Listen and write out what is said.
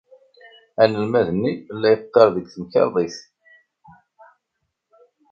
Anelmad-nni la yeqqar deg temkarḍit.